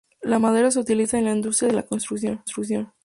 La madera se utiliza en la industria de la construcción.